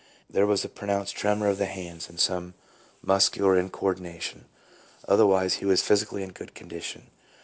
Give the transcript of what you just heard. There was a pronounced tremor of the hands and some muscular incoordination, otherwise he was physically in good condition.